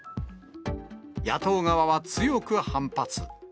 野党側は強く反発。